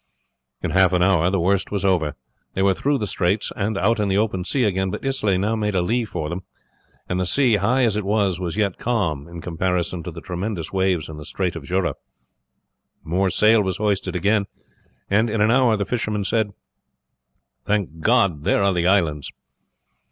In half an hour the worst was over. They were through the straits and out in the open sea again, but Islay now made a lee for them, and the sea, high as it was, was yet calm in comparison to the tremendous waves in the Strait of Jura. More sail was hoisted again, and in an hour the fisherman said, "Thank God, there are the islands."